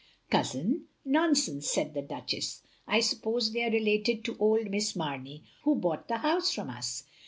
" "Cousin, nonsense," said the Duchess, "I suppose they are related to old Miss Mamey who bought the house from us.